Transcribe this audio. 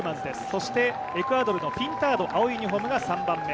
そしてエクアドルのピンタード、青いユニフォームが３番目。